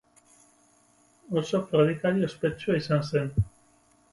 Oso predikari ospetsua izan zen.